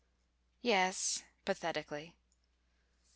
"Yes," pathetically.